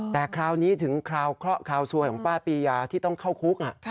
แต่คราวนี้ถึงคราวเคราะห์คราวซวยของป้าปียาที่ต้องเข้าคุก